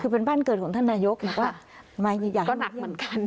คือเป็นบ้านเกิดของท่านนายกบอกว่ามาอย่างหนักเหมือนกัน